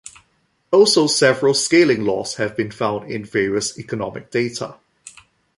Also several scaling laws have been found in various economic data.